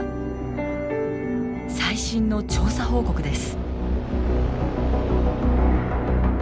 最新の調査報告です。